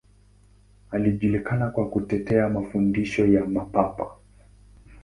Alijulikana kwa kutetea mafundisho ya Mapapa.